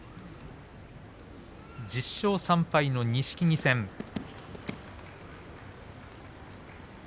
１０勝３敗の錦木戦です。